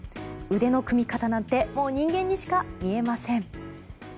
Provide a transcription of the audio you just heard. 腕の組み方なんてもう人間にしか見えません。